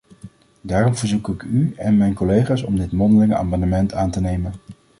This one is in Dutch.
Daarom verzoek ik u en mijn collega’s om dit mondelinge amendement aan te nemen.